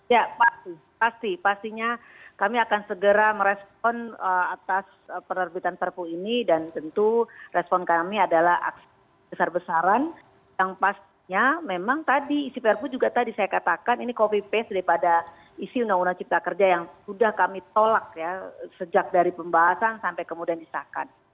ya pasti pastinya kami akan segera merespon atas penerbitan perpu ini dan tentu respon kami adalah aksi besar besaran yang pastinya memang tadi isi perpu juga tadi saya katakan ini copy paste daripada isi undang undang cipta kerja yang sudah kami tolak ya sejak dari pembahasan sampai kemudian disahkan